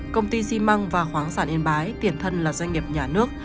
công ty xi măng và khoáng sản yên bái tiền thân là doanh nghiệp nhà nước